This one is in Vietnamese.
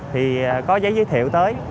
thì có giấy giới thiệu tới